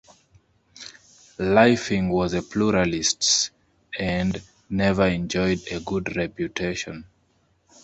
Lyfing was a pluralist and never enjoyed a good reputation.